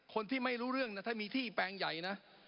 คนที่ไม่รู้เรื่องนะถ้ามีที่แปลงใหญ่นะ